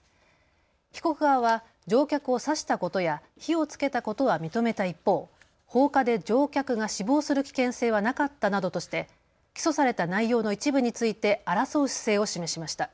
被告側は乗客を刺したことや火をつけたことは認めた一方放火で乗客が死亡する危険性はなかったなどとして起訴された内容の一部について争う姿勢を示しました。